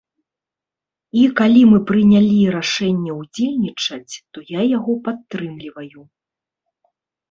І калі мы прынялі рашэнне ўдзельнічаць, то я яго падтрымліваю.